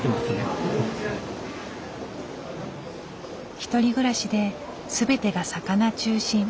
１人暮らしで全てが魚中心。